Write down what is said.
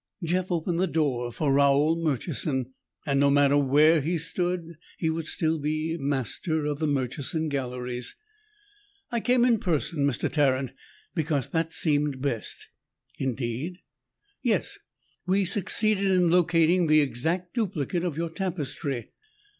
Jeff opened the door for Raold Murchison, and no matter where he stood, he would still be master of the Murchison Galleries. "I came in person, Mr. Tarrant, because that seemed best." "Indeed?" "Yes, we succeeded in locating the exact duplicate of your tapestry."